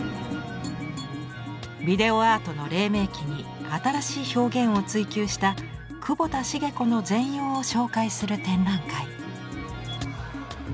ビデオアートのれい明期に新しい表現を追求した久保田成子の全容を紹介する展覧会。